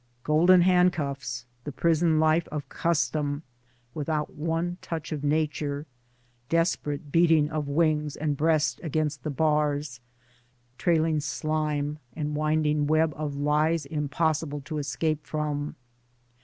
Golden hand cuffs, the prison life of Custom without one touch of nature, desperate beating of wings and breast against the bars, trailing slime and winding web of lies impossible to escape from.